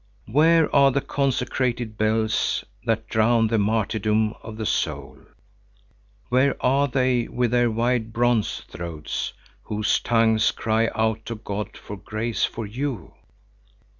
Where are the consecrated bells that drown the martyrdom of the soul? Where are they, with their wide, bronze throats, whose tongues cry out to God for grace for you?